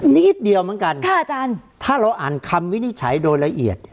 นิดเดียวเหมือนกันถ้าเราอ่านคำวินิจฉัยโดยละเอียด